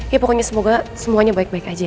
ya pokoknya semoga semuanya baik baik aja